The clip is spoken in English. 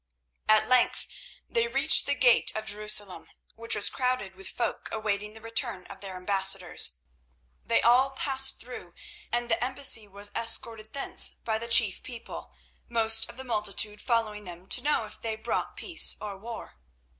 At length they reached the gate of Jerusalem, which was crowded with folk awaiting the return of their ambassadors. They all passed through, and the embassy was escorted thence by the chief people, most of the multitude following them to know if they brought peace or war.